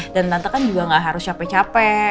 dan tante kan juga gak harus capek capek